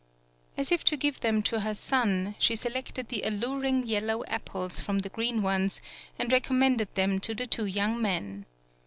As if to give them to her son, she se lected the alluring yellow apples from the green ones and recommendecl them to the two young men.